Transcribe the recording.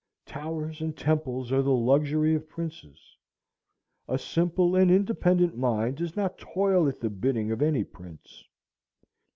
Towers and temples are the luxury of princes. A simple and independent mind does not toil at the bidding of any prince.